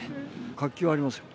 活気はありますよ。